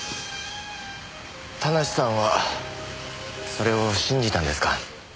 田無さんはそれを信じたんですか？